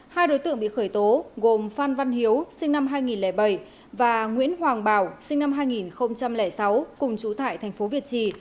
hai đối tượng bị khởi tố gồm phan văn hiếu sinh năm hai nghìn bảy và nguyễn hoàng bảo sinh năm hai nghìn sáu cùng trú tại tp hcm